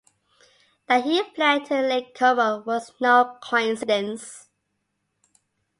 That he fled to Lake Como was no coincidence.